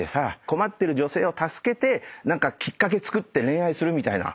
困ってる女性を助けてきっかけつくって恋愛するみたいな」